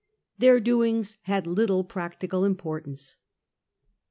Their doings had little practical importance.